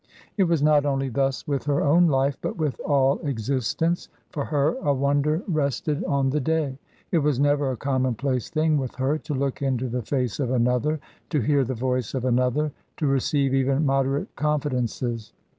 It was not only thus with her own life, but with all existence ; for her a wonder rested on the day. It was never a commonplace thing with her to look into the face of another, to hear the voice of another, to receive even moderate confi dences.